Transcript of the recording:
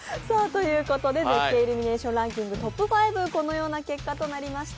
絶景イルミネーションランキングトップ５はこのような結果となりました。